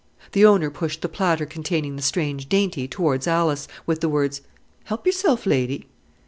The owner pushed the platter containing the strange dainty towards Alice, with the words, "Help yourself, lady."